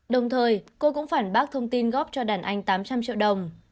đồng thời cô cũng phản bác thông tin góp cho đàn anh tám trăm linh triệu đồng